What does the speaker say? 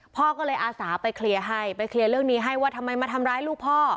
พ่อก็เลยอาสาไปเคลียร์ให้ไปเคลียร์เรื่องนี้ให้ว่าทำไมมาทำร้ายลูกพ่อ